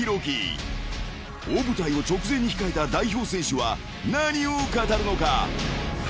［大舞台を直前に控えた代表選手は何を語るのか］